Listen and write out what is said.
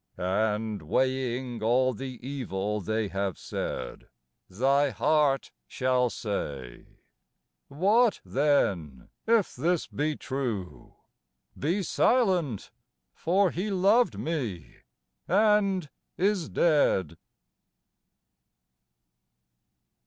And. weighing all the evil they have said, Thy heart shall say, "What, then, if this be true? Be Silent ! for he loved me and is dead."